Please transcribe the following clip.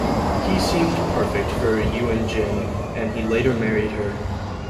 He seemed perfect for Eun-jin and he later married her.